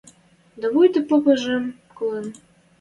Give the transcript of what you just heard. Дӓ вуйта попымыжым колын: